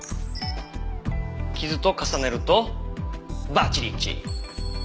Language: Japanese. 傷と重ねるとバッチリ一致！